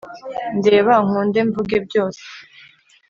Ndeba nkunde mvuge byose